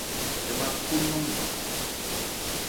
Ɛ́ bhâ khó nnánmɛ.